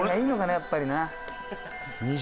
やっぱりな。